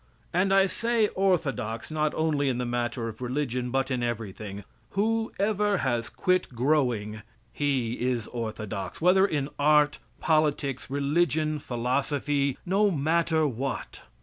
And I say orthodox not only in the matter of religion, but in everything. Whoever has quit growing, he is orthodox, whether in art, politics, religion, philosophy no matter what.